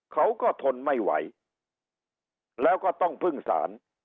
เขาก็ทนไม่ไหวแล้วก็ต้องพึ่งสาร